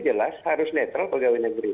jelas harus netral pak gawin negeri